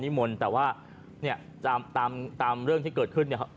ที่เขาจะรอนิมนต์แต่ว่าตามเรื่องที่เกิดขึ้นเนี่ย